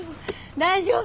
大丈夫？